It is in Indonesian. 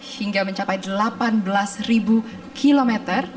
hingga mencapai delapan belas kilometer